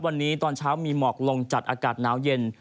วันนี้ตอนเช้ามีหมอกลงจัดอากาศหนาวเย็น